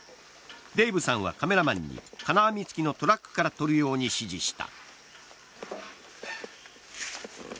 デイブさんはカメラマンに金網つきのトラックから撮るように指示した。